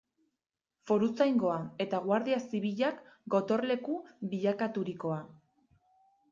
Foruzaingoa eta Guardia Zibilak gotorleku bilakaturikoa.